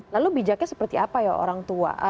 lalu bijaknya seperti apa ya orang tua